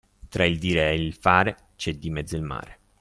Tra il dire e il fare c'è di mezzo il mare.